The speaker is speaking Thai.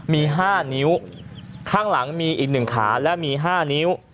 มี๕นิ้วข้างหลังมีอีก๑ขาและมี๕นิ้ว